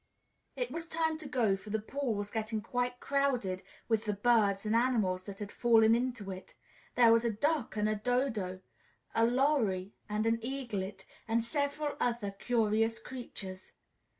It was high time to go, for the pool was getting quite crowded with the birds and animals that had fallen into it; there were a Duck and a Dodo, a Lory and an Eaglet, and several other curious creatures.